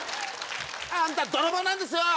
⁉あんた泥棒なんですよ！